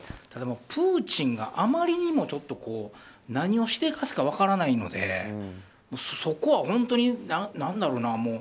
でもプーチンがあまりにも何をしでかすか分からないのでそこは本当に、何だろうな。